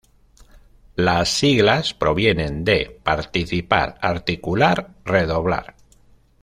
Las siglas provienen de Participar, Articular, Redoblar.